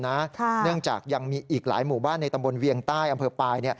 เนื่องจากยังมีอีกหลายหมู่บ้านในตำบลเวียงใต้อำเภอปลาย